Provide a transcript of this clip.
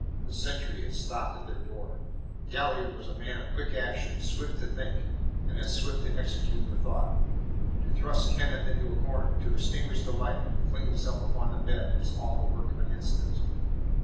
The sentry had stopped at their door. Galliard was a man of quick action, swift to think, and as swift to execute the thought. To thrust Kenneth into a corner, to extinguish the light, and to fling himself upon the bed was all the work of an instant.